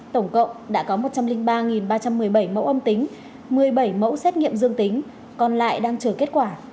tổng cộng đã có một trăm linh ba ba trăm một mươi bảy mẫu âm tính một mươi bảy mẫu xét nghiệm dương tính còn lại đang chờ kết quả